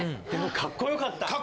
かっこよかった。